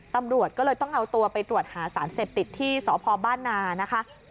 ตำรวจก็เลยต้องเอาตัวไปตรวจหาสารเสพติดที่สพบ้านนานะคะ